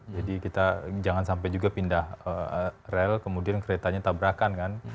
jadi kita jangan sampai juga pindah rel kemudian keretanya tabrakan kan